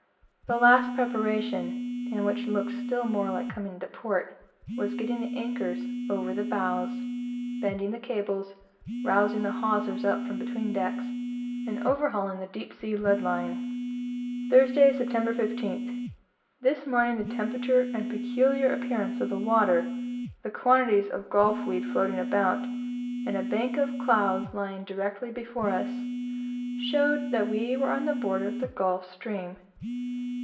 The last preparation, and which looked still more like coming into port, was getting the anchors over the bows, bending the cables, rowsing the hawsers up from between decks, and overhauling the deep sea lead line. Thursday, September 15th. This morning the temperature and peculiar appearance of the water, the quantities of gulf weed floating about, and a bank of clouds lying directly before us, showed that we were on the border of the Gulf Stream.